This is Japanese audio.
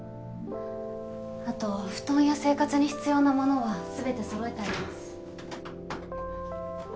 あと布団や生活に必要なものは全て揃なんで？